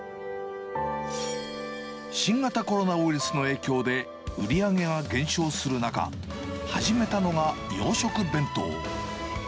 新型コロナウイルスの影響で、売り上げが減少する中、始めたのが洋食弁当。